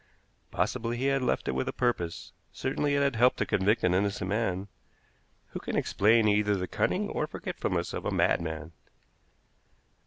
Possibly he had left it with a purpose; certainly it had helped to convict an innocent man. Who can explain either the cunning or forgetfulness of a madman?